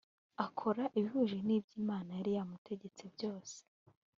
akora ibihuje n ibyo imana yari yamutegetse byose